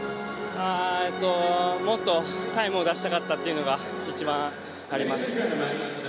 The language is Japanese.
もっとタイムを出したかったというのが一番あります。